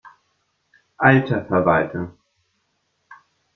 Alter Verwalter!